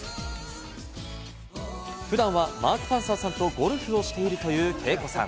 普段はマーク・パンサーさんとゴルフをしているというＫＥＩＫＯさん。